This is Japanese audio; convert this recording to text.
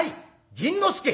銀之助！